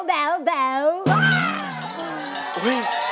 แบว